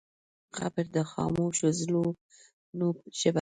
قبر د خاموشو زړونو ژبه ده.